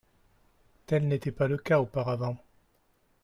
Tel n’était pas le cas auparavant.